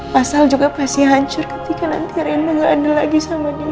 mas sal juga pasti hancur ketika nanti reina gak ada lagi sama dia